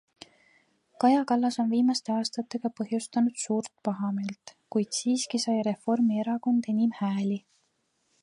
Kaja Kallas on viimaste aastatega põhjustanud suurt pahameelt, kuid siiski sai Reformierakond enim hääli.